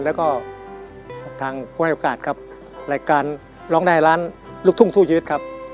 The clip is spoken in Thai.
แล้วก็ทางผู้ให้โอกาสครับรายการร้องได้ล้านลูกทุ่งสู้ชีวิตครับ